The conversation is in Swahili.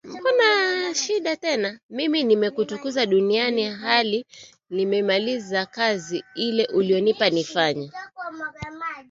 Mimi nimekutukuza duniani hali nimeimaliza kazi ile uliyonipa niifanye